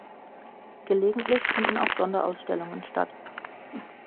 Gelegentlich finden auch Sonderausstellungen statt.